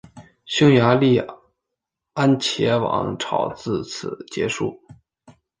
匈牙利安茄王朝自此结束。